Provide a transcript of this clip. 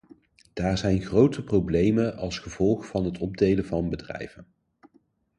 Daar zijn grote problemen als gevolg van het opdelen van bedrijven.